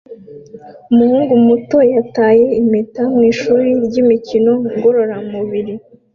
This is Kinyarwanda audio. Umuhungu muto yataye impeta mwishuri ryimikino ngororamubiri